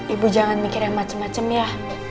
ibu jangan mikir yang macem macem ya